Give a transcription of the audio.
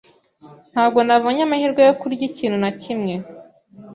Ntabwo nabonye amahirwe yo kurya ikintu na kimwe.